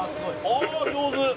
ああ上手！」